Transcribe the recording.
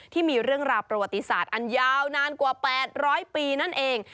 ที่มีเรื่องราวประวัติศาสตร์อันยาวนานกว่า๘๐๐ปีนั่นเอง